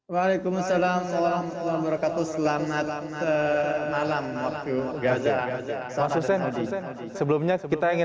waalaikumsalam salam salam salam berkata selamat malam waktu gajah mas husein sebelumnya kita ingin